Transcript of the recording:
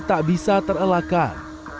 tak bisa terelakkan